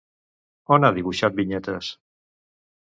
On ha dibuixat vinyetes?